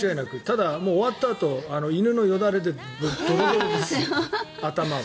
ただ、終わったあと犬のよだれでドロドロです、頭は。